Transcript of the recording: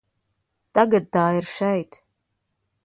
Tagad tā ir šeit.